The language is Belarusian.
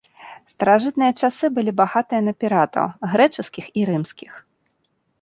Старажытныя часы былі багатыя на піратаў, грэчаскіх і рымскіх.